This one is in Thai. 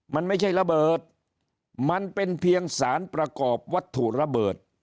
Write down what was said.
มันไม่ใช่ระเบิดมันเป็นเพียงสารประกอบวัตถุระเบิด